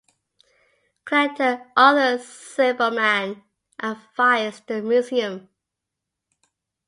Collector Arthur Silberman advised the museum.